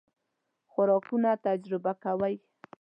خوراکونه تجربه کوئ؟